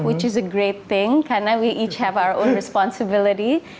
yang bagus karena kita punya tanggung jawab kita sendiri